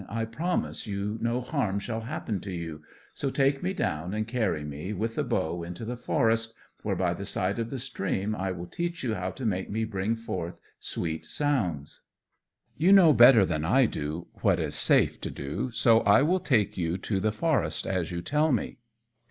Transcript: I promise you no harm shall happen to you; so take me down and carry me, with the bow, into the forest, where, by the side of the stream, I will teach you how to make me bring forth sweet sounds." "You know better than I do what is safe to do, so I will take you to the forest, as you tell me."